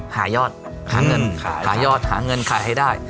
หายอดหาเงินหายอดหาเงินขายให้ได้